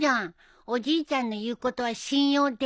おじいちゃんの言うことは信用できないね。